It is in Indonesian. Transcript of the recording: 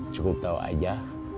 cukup tahu aja